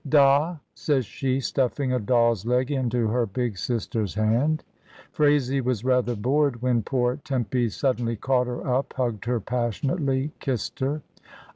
"Da," says she, stuffing a doll's leg into her big sister's hand. Phraisie was rather bored when poor Tempy jsuddenly caught her up, hugged her passionately, kissed her.